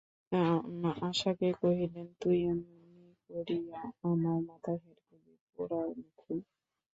আশাকে কহিলেন, তুই এমনি করিয়া আমার মাথা হেঁট করিবি পোড়ারমুখী?